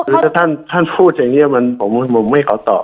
คือถ้าท่านพูดอย่างนี้ผมไม่ขอตอบ